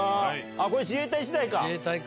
これ、自衛隊時代か。